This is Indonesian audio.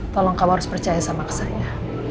tolong kamu harus percaya sama saya